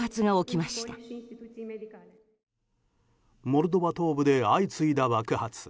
モルドバ東部で相次いだ爆発。